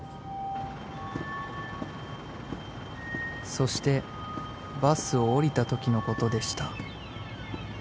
［そしてバスを降りたときのことでした］